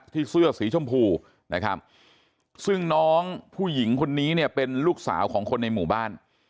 ที่เสื้อสีชมพูซึ่งน้องผู้หญิงคนนี้เป็นลูกสาวของคนในหมู่บ้าน